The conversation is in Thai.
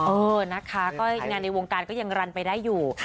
เออนะคะก็งานในวงการก็ยังรันไปได้อยู่